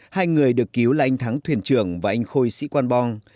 hai người được cứu là anh thắng thuyền trưởng và anh khôi sĩ quan bong